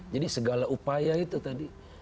jadi segala upaya itu tadi